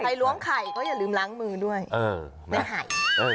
ใครล้วงไข่ก็อย่าลืมล้างมือด้วยไม่ได้หาย